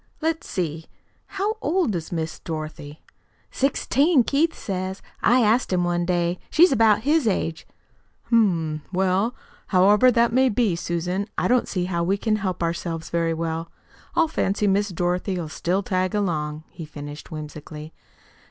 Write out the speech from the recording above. Let's see, how old is Miss Dorothy?" "Sixteen, Keith says. I asked him one day. She's about his age." "Hm m; well, however that may be, Susan, I don't see how we can help ourselves very well. I fancy Miss Dorothy'll still tag along," he finished whimsically.